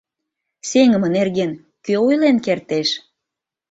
Сеҥыме нерген кӧ ойлен кертеш?..